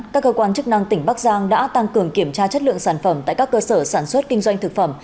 các cơ quan chức năng tỉnh bắc giang đã tăng cường kiểm tra chất lượng sản phẩm tại các cơ sở sản xuất kinh doanh thực phẩm